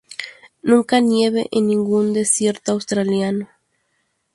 Nunca nieva en ningún desierto australiano.